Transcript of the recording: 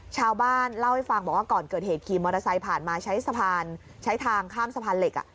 ชาวบ้านเล่าให้ฟังบอกว่าก่อนเกิดเหตุขี่มอเตอร์ไซค์ผ่านมาใช้สะพานใช้ทางข้ามสะพานเหล็ก